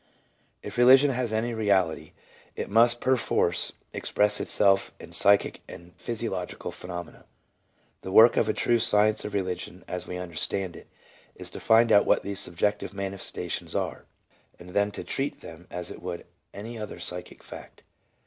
If religion has any reality, it must perforce express itself in pyschic and physiological phenomena. The work of a true Science of Religion, as we understand it, is to find out what these subjective manifestations are, and then to treat them as it would any other psychic fact.